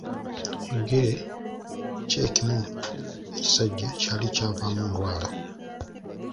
Ekigere kye ekimu ekisajja kyali kyavaamu olwala.